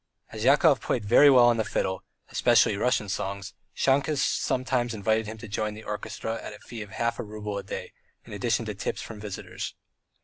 As Yakov played very well on the fiddle, especially Russian songs, Shahkes sometimes invited him to join the orchestra at a fee of half a rouble a day, in addition to tips from the visitors.